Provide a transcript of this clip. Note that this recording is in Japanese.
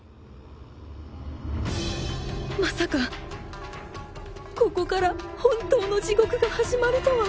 まさかここから本当の地獄が始まるとは